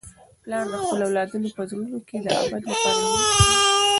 پلار د خپلو اولادونو په زړونو کي د ابد لپاره مېشت وي.